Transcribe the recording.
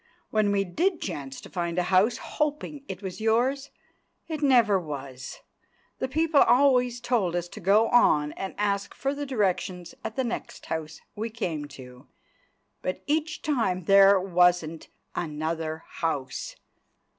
When we did chance to find a house, hoping it was yours, it never was; the people always told us to go on and ask further directions at the next house we came to, but each time there wasn't another house.